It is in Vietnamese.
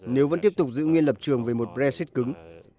nếu vẫn tiếp tục giữ nguyên lập trường về một brexit cứng